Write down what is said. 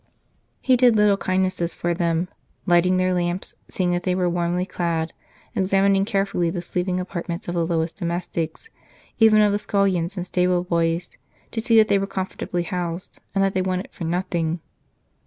He did little kindnesses for them, lighting their lamps, seeing that they were warmly clad, examin ing carefully the sleeping apartments of the lowest domestics, even of the scullions and stable boys, to see that they were comfortably housed and that they wanted for nothing.